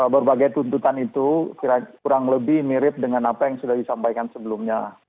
berbagai tuntutan itu kurang lebih mirip dengan apa yang sudah disampaikan sebelumnya